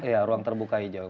ya ruang terbuka hijau